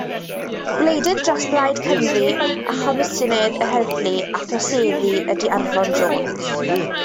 Gwleidydd dros Blaid Cymru a Chomisiynydd yr Heddlu a Throseddu ydy Arfon Jones.